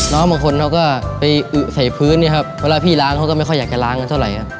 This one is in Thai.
บางคนเขาก็ไปอึใส่พื้นเนี่ยครับเวลาพี่ล้างเขาก็ไม่ค่อยอยากจะล้างกันเท่าไหร่ครับ